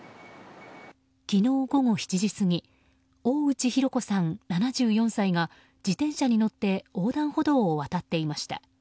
昨日午後７時過ぎ大内博子さん、７４歳が自転車に乗って横断歩道を渡っていました。